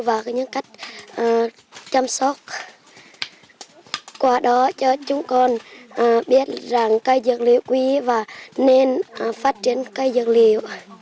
và nhân cách chăm sóc qua đó cho chúng con biết rằng cây dược liệu quý và nên phát triển cây dược liệu